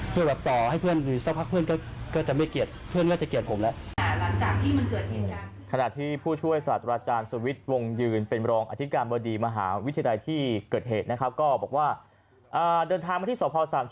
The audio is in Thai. พี่ว่าพี่ว่าพี่ว่าพี่ว่าพี่ว่าพี่ว่าพี่ว่าพี่ว่าพี่ว่าพี่ว่าพี่ว่า